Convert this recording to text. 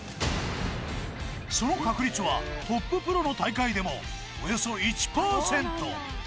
その確率はトッププロの大会でもおよそ１％